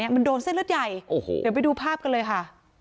มันโดนเส้นเลือดใหญ่โอ้โหเดี๋ยวไปดูภาพกันเลยค่ะ